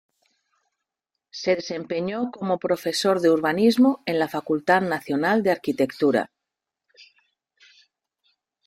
Se desempeñó como profesor de urbanismo en la Facultad Nacional de Arquitectura.